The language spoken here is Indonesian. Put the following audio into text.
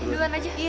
duluan aja iya